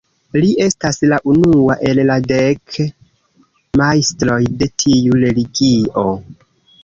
Li estas la unua el la dek majstroj de tiu religio.